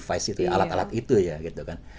alat alat itu ya gitu kan